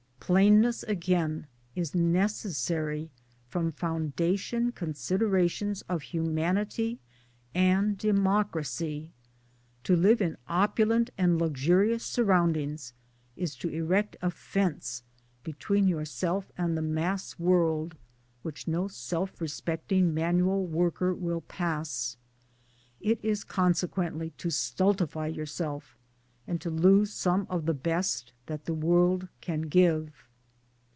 Plainness again is necessary from foundation con siderations of humanity and democracy. To live in opulent and luxurious surrounding's is to erect a fence between yourself and the mass world which no self respecting manual worker will pass. It is conse quently to stultify yourself and to lose some of the best that the world can give.